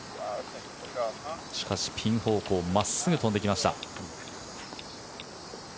しかしピン方向真っすぐ飛んできました。